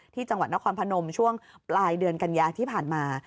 ที่จังหวัดนครพนมช่วงปลายเดือนกันยาที่ผ่านมา